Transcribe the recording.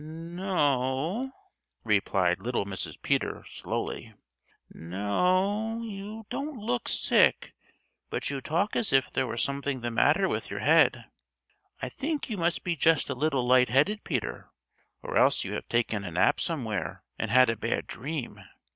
"No o," replied little Mrs. Peter slowly. "No o, you don't look sick, but you talk as if there were something the matter with your head. I think you must be just a little light headed, Peter, or else you have taken a nap somewhere and had a bad dream.